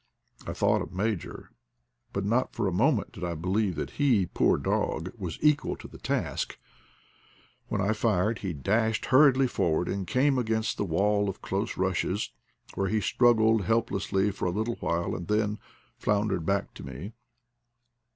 I thought of Major, but not for a moment did I believe that he, poor dog! was equal to the task. When I fired he dashed hurriedly forward, aod came against the wall of close rushes, where 64 IDLE DAYS IN PATAGONIA he struggled hopelessly for a little while, and then floundered back to me.